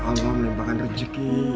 allah menemukan rezeki